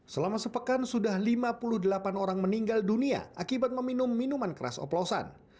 selama sepekan sudah lima puluh delapan orang meninggal dunia akibat meminum minuman keras oplosan